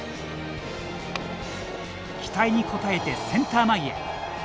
期待に応えて、センター前へ。